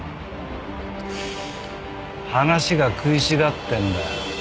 話が食い違ってるんだよ。